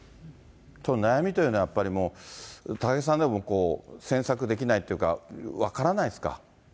その悩みというのは、やっぱりもう、高木さんでも詮索できないっていうか、分からないですか。